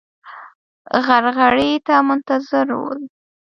غرغړې ته منتظر ول.